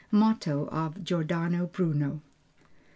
MOTTO OF GIORDANO BRUNO.